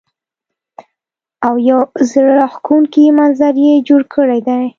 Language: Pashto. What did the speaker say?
او يو زړۀ راښکونکے منظر يې جوړ کړے دے ـ